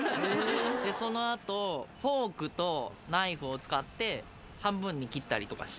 そのあと、フォークとナイフを使って、半分に切ったりとかして。